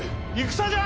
戦じゃ！